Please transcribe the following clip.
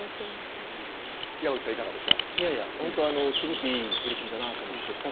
いやいや本当あのすごくいい取り組みだなと思って。